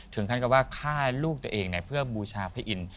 ถึงขั้นคำว่าฆ่าลูกตัวเองเพื่อบูชาเพียร